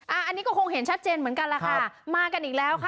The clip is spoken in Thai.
อันนี้ก็คงเห็นชัดเจนเหมือนกันแหละค่ะมากันอีกแล้วค่ะ